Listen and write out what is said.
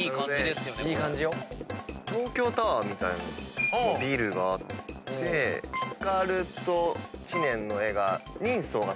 東京タワーみたいなビルがあって光と知念の絵が。